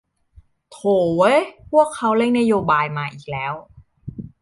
โธ่เว้ย พวกเขาเร่งนโยบายมาอีกแล้ว